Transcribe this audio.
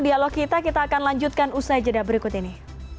dialog kita kita akan lanjutkan usai jeda berikut ini